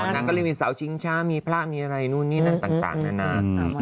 นางก็เลยมีเสาชิงช้ามีพระมีอะไรนู่นนี่นั่นต่างนานา